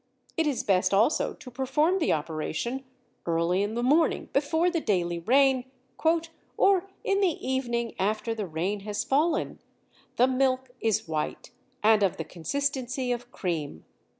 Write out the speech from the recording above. It is best also to perform the operation early in the morning before the daily rain, "or in the evening after the rain has fallen. The milk ... is white and of the consistency of cream.